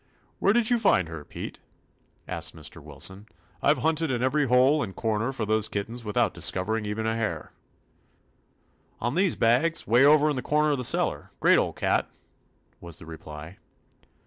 "Where did you find her, Pete?' asked Mr. Wilson. "I 've hunted in every hole and corner for those kit tens without discovering even a hair." "On these bags, 'way over in the corner of the cellar. Great old cat," was the reply.